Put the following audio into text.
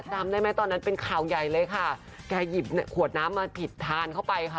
จำได้ไหมตอนนั้นเป็นข่าวใหญ่เลยค่ะแกหยิบขวดน้ำมาผิดทานเข้าไปค่ะ